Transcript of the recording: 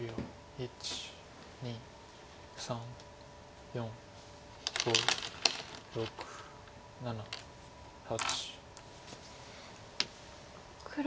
１２３４５６７８。